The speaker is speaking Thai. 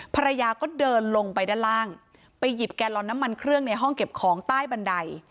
ภรรยาก็เดินลงไปด้านล่างไปหยิบแกลลอนน้ำมันเครื่องในห้องเก็บของใต้บันได